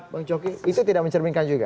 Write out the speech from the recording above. bang coki itu tidak mencerminkan juga